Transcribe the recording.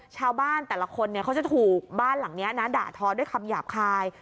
ชาวบ้านแต่ละคนเขาจะถูกบ้านหลังนี้นะด่าทอด้วยคำหยาบคาย